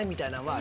あ